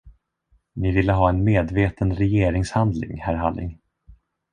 Ni ville ha en medveten regeringshandling, herr Halling.